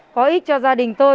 có ích cho gia đình tôi